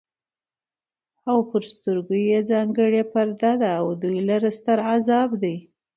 او پر سترگو ئې ځانگړې پرده ده او دوى لره ستر عذاب دی